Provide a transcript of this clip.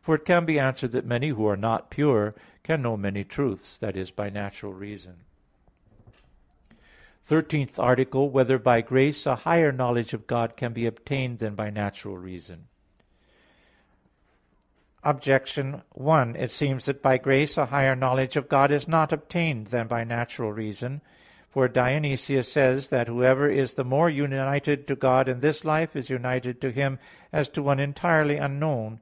For it can be answered that many who are not pure can know many truths," i.e. by natural reason. _______________________ THIRTEENTH ARTICLE [I, Q. 12, Art. 13] Whether by Grace a Higher Knowledge of God Can Be Obtained Than by Natural Reason? Objection 1: It seems that by grace a higher knowledge of God is not obtained than by natural reason. For Dionysius says (De Mystica Theol. i) that whoever is the more united to God in this life, is united to Him as to one entirely unknown.